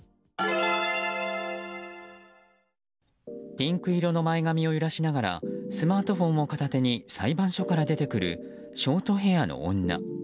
ピンク色の前髪を揺らしながらスマートフォンを片手に裁判所から出てくるショートヘアの女。